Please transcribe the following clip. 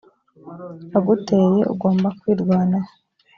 aguteye ugomba kwirwanaho